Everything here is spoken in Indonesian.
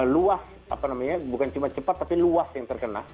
luas apa namanya bukan cuma cepat tapi luas yang terkena